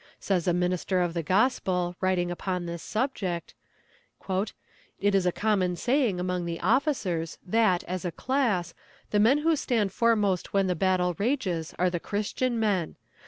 Says a minister of the Gospel, writing upon this subject: "It is a common saying among the officers that, as a class, the men who stand foremost when the battle rages are the christian men.